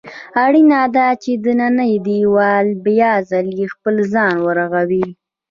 اړینه ده چې دننی دېوال بیا ځل خپل ځان ورغوي.